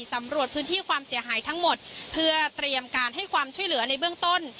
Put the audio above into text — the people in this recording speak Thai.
สำรวจพื้นที่ความเสียหายทั้งหมดเพื่อเตรียมการให้ความช่วยเหลือในเบื้องต้น